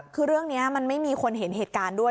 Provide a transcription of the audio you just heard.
คือเรื่องนี้มันไม่มีคนเห็นเหตุการณ์ด้วย